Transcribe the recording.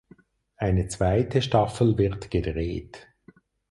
Eine zweite Staffel wird gedreht.